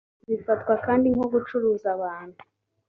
bifatwa kandi nko gucuruza abantu